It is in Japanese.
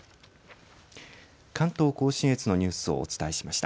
関東甲信越のニュースをお伝えしました。